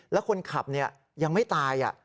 แล้วคนขับยังไม่ตาย